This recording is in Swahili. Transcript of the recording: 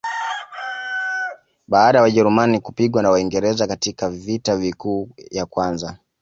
baada ya wajerumani kupigwa na waingereza katika vita kuu ya kwanza